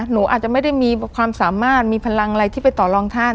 หนูอาจจะไม่ได้มีความสามารถมีพลังอะไรที่ไปต่อรองท่าน